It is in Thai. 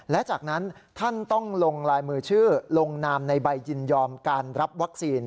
และจากนั้นท่านต้องลงลายมือชื่อลงนามในใบยินยอมการรับวัคซีน